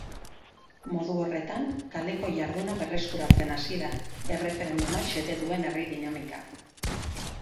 Modu horretan, kaleko jarduna berreskuratzen hasi da erreferenduma xede duen herri dinamika.